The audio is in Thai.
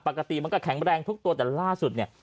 ปกติมันก็แข็งแรงทุกตัวแต่ล่าสุดเนี่ย